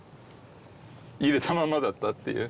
入れたまんまだったっていう。